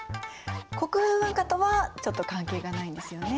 国風文化とはちょっと関係がないですよね。